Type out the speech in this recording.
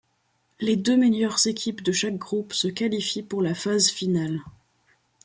Les deux meilleures équipes de chaque groupe se qualifient pour la phase finale.